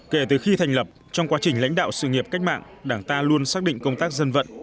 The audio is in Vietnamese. kể từ khi thành lập trong quá trình lãnh đạo sự nghiệp cách mạng đảng ta luôn xác định công tác dân vận